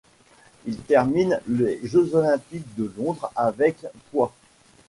Il termine des Jeux Olympiques de Londres avec points.